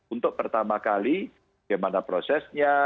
untuk pertama kali bagaimana prosesnya